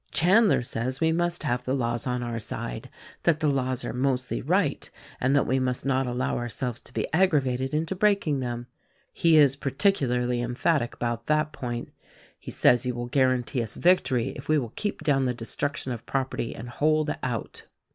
"Chandler says we must have the laws on our side; that the laws are mostly right, and that we must not allow our selves to be aggravated into breaking them. He is par ticularly emphatic about that point. He savs he will guar antee us victory if we will keep down the' destruction of property— and hold out.